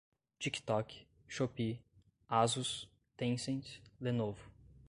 tiktok, shopee, asus, tencent, lenovo